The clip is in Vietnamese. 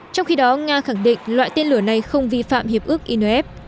trong khi đó nga khẳng định loại tên lửa này không vi phạm hiệp ước inf